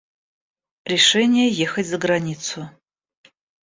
Решение ехать за границу.